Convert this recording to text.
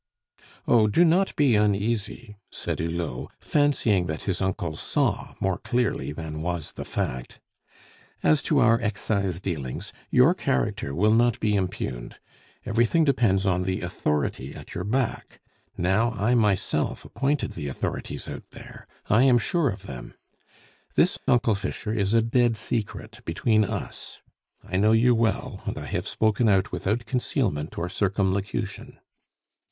"Oh, do not be uneasy," said Hulot, fancying that his uncle saw more clearly than was the fact. "As to our excise dealings, your character will not be impugned. Everything depends on the authority at your back; now I myself appointed the authorities out there; I am sure of them. This, Uncle Fischer, is a dead secret between us. I know you well, and I have spoken out without concealment or circumlocution."